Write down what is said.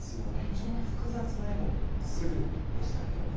ちょっと複雑な絵もすぐでしたけども。